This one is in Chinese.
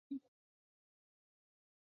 田端通往的参道通过此地。